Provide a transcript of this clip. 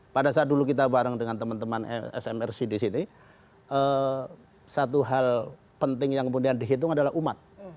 pada saat dulu kita bareng dengan teman teman smrc di sini satu hal penting yang kemudian dihitung adalah umat